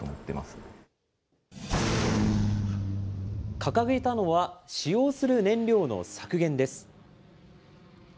掲げたのは、使用する燃料の削減です。